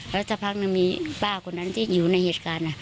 แล้วสักพักนึงมีป้าคนนั้นที่อยู่ในเหตุการณ์